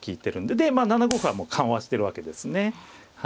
で７五歩はもう緩和してるわけですね。